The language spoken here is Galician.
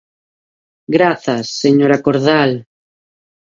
Grazas, señora Cordal.